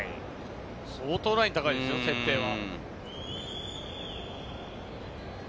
相当ライン高いですよ、設定は。